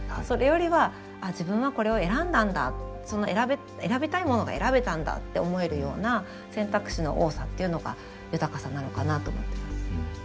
それよりは自分はこれを選んだんだ選びたいものが選べたんだって思えるような選択肢の多さっていうのが豊かさなのかなと思ってます。